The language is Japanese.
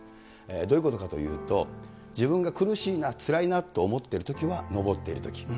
どういうことかというと、自分が苦しいな、つらいなと思っているときは上っているとき。